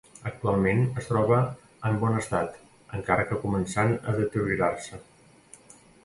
Actualment es troba en bon estat, encara que començant a deteriorar-se.